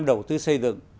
đầu tư xây dựng